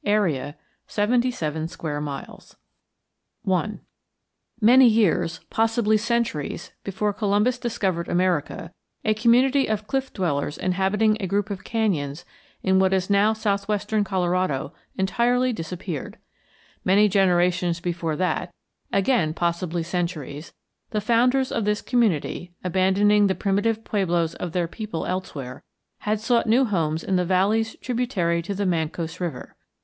AREA, 77 SQUARE MILES I Many years, possibly centuries, before Columbus discovered America, a community of cliff dwellers inhabiting a group of canyons in what is now southwestern Colorado entirely disappeared. Many generations before that, again possibly centuries, the founders of this community, abandoning the primitive pueblos of their people elsewhere, had sought new homes in the valleys tributary to the Mancos River.